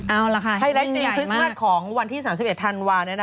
เอาล่ะค่ะที่นี่ใหญ่มากให้แรกจริงคริสต์มาตรของวันที่๓๑ธันวาคม